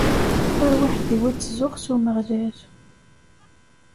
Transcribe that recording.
Tarwiḥt-iw ad tzuxx s Umeɣlal!